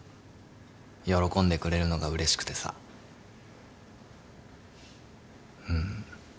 喜んでくれるのがうれしくてさうん